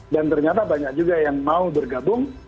dan ternyata banyak juga yang mau bergabung